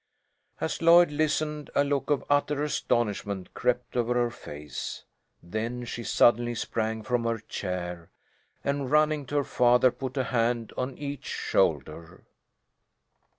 As Lloyd listened a look of utter astonishment crept over her face. Then she suddenly sprang from her chair, and running to her father put a hand on each shoulder.